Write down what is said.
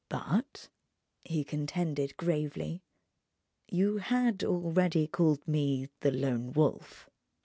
"But," he contended, gravely, "you had already called me the Lone Wolf."